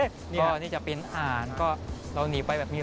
พอที่จะเป็นอ่านก็เราหนีไปแบบนี้